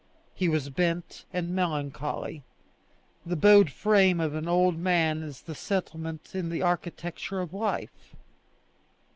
He was bent and melancholy. The bowed frame of an old man is the settlement in the architecture of life.